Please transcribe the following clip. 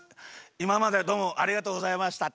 いままでどうもありがとうございました。